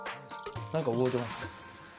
何か動いてます。